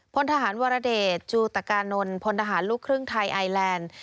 พลทหารวรเดชจูตกานนท์พลทหารลูกครึ่งไทยไอแลนด์